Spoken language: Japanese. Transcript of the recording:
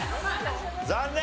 残念！